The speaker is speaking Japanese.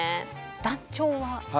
団長は？